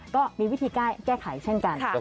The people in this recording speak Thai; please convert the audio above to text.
ก็มีวิธีแก้ไขเช่นกัน